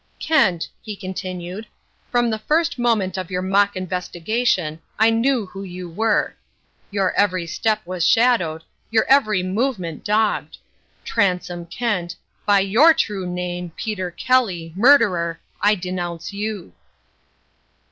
"Kent," he continued, "from the first moment of your mock investigation, I knew who you were. Your every step was shadowed, your every movement dogged. Transome Kent by your true name, Peter Kelly, murderer, I denounce you."